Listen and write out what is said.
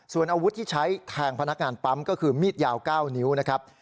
ส่วนอาวุธที่ใช้แทงพนักงานปั๊มก็คือมีดยาว๙นิ้วนะครับ